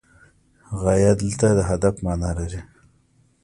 غایه دلته د هدف معنی لري.